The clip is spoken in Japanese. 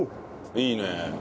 いいねえ。